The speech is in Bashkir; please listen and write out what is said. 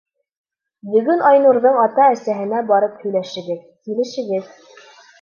Бөгөн Айнурҙың ата-әсәһенә барып һөйләшегеҙ, килешегеҙ.